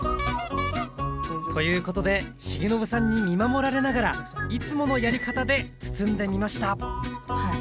ということで重信さんに見守られながらいつものやり方で包んでみました